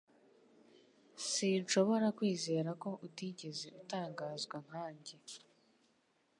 Sinshobora kwizera ko utigeze utangazwa nkanjye